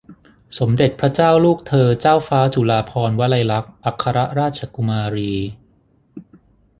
สมเด็จพระเจ้าลูกเธอเจ้าฟ้าจุฬาภรณวลัยลักษณ์ อัครราชกุมารี